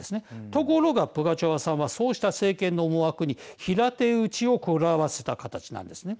ところが、プガチョワさんはそうした政権の思惑に平手打ちを食らわせた形なんですね。